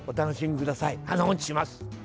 長もちします。